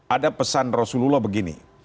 ada pesan rasulullah begini